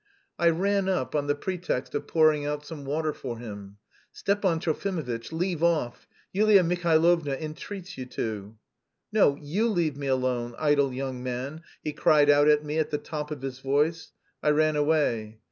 I ran up on the pretext of pouring out some water for him. "Stepan Trofimovitch, leave off, Yulia Mihailovna entreats you to." "No, you leave me alone, idle young man," he cried out at me at the top of his voice. I ran away.